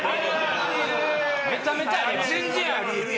めちゃめちゃあります。